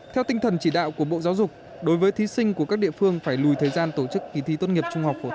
theo tinh thần chỉ đạo của bộ giáo dục đối với thí sinh của các địa phương phải lùi thời gian tổ chức kỳ thi tốt nghiệp